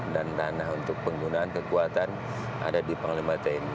dan ranah untuk penggunaan kekuatan ada di panglima tni